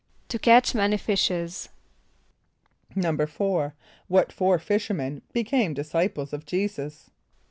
=To catch many fishes.= =4.= What four fishermen became disciples of J[=e]´[s+]us?